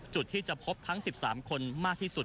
จุดที่จะพบทั้ง๑๓คนมากที่สุด